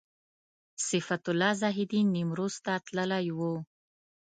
صفت الله زاهدي نیمروز ته تللی و.